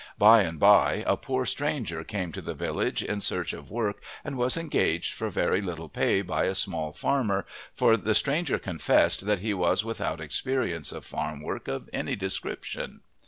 By and by a poor stranger came to the village in search of work and was engaged for very little pay by a small farmer, for the stranger confessed that he was without experience of farm work of any description.